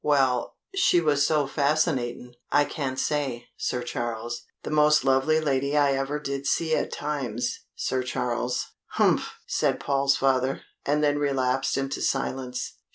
"Well, she was so fascinatin', I can't say, Sir Charles the most lovely lady I ever did see at times, Sir Charles." "Humph," said Paul's father, and then relapsed into silence.